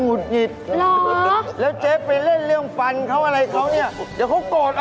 บอกเจ๊เจ๊เจ๊เจ๊เจ๊อะไรน่ะ